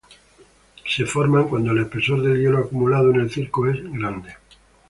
Se forman cuando el espesor del hielo acumulado en el circo es grande.